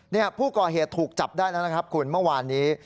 ผู้ก่อเหตุถูกจับได้แล้วนะครับคุณเมื่อวานนี้